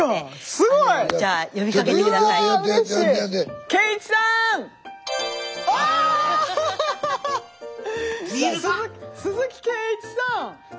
すごい！鈴木肇一さん。